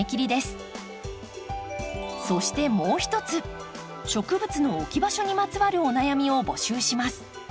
そしてもう一つ植物の置き場所にまつわるお悩みを募集します。